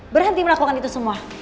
berhenti melakukan itu semua